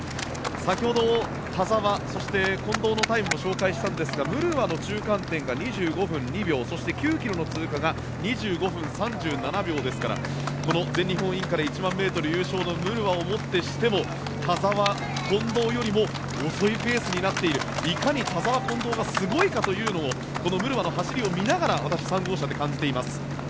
先ほど田澤、そして近藤のタイムを紹介したんですがムルワの中間点が２５分２秒そして９ｋｍの通過が２５分３７秒ですからこの全日本インカレ１００００ｍ優勝のムルワをもってしても田澤、近藤よりも遅いペースになっているいかに田澤、近藤がすごいかというのをこのムルワの走りを見ながら私、３号車で感じています。